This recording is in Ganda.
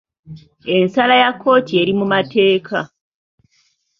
Ensala ya kkooti eri mu mateeka.